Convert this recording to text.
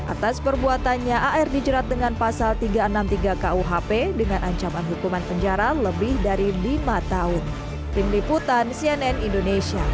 atas perbuatannya ar dijerat dengan pasal tiga ratus enam puluh tiga kuhp dengan ancaman hukuman penjara lebih dari lima tahun